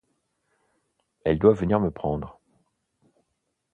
Elle doit venir me prendre.